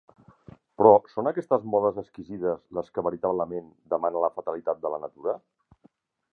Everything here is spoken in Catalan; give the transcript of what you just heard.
Però, ¿són aquestes modes exquisides les que veritablement demana la fatalitat de la natura?